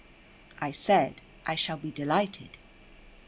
I said, "I shall be delighted."